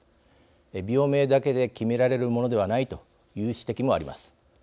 病名だけで決められるものではないと言う指摘もあります。